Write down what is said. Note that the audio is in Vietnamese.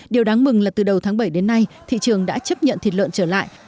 điều đáng mừng là từ đầu tháng bảy đến nay thị trường đã chấp nhận thịt lợn trở lại